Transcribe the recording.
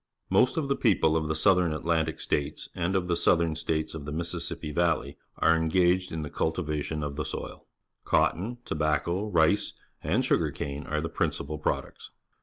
Most of the people of the South Atlantic States and of the Southern States of the Mis sissippi Valley are engaged in the cultivation of the soU. Cotton, tobacco, rice, and sugar cane_are the principal products.